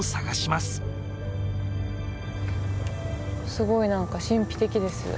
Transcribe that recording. すごい何か神秘的です